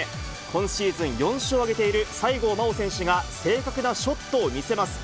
今シーズン４勝を挙げている西郷真央選手が正確なショットを見せます。